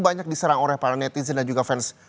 banyak diserang oleh para netizen dan juga fans